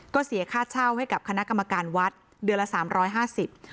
ก็เสียค่าเช่าให้กับคณะกรรมการวัดเดือนละสามร้อยห้าสิบ